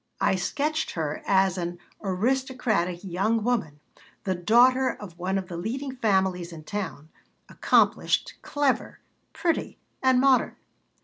I sketched her as an "aristocratic" young woman, the daughter of one of the leading families in town, accomplished, clever, pretty, and "modern."